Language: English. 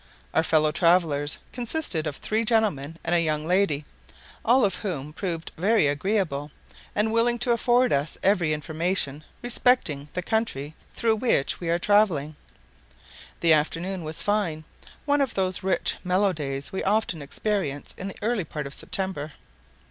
Our fellow travellers consisted of three gentlemen and a young lady, all of whom proved very agreeable, and willing to afford us every information respecting the country through which we were travelling. The afternoon was fine one of those rich mellow days we often experience in the early part of September.